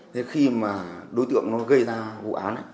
thế khi mà đối tượng nó gây ra vụ án này